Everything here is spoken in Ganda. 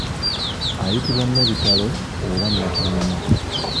Ayitibwa Nabitalo oba Nakinyomo.